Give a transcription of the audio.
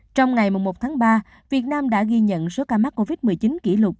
trong ngày một tháng ba việt nam đã ghi nhận số ca mắc covid một mươi chín kỷ lục